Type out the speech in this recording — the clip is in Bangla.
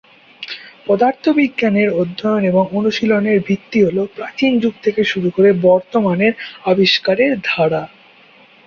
পদার্থবিজ্ঞানের অধ্যয়ন এবং অনুশীলনের ভিত্তি হলো প্রাচীন যুগ থেকে শুরু করে বর্তমানের আবিষ্কারের ধারা।